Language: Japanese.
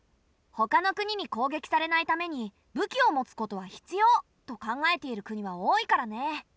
ほかの国にこうげきされないために武器を持つことは必要と考えている国は多いからね。